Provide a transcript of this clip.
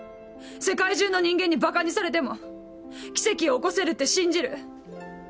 世界中の人間にばかにされても奇跡を起こせるって信じる。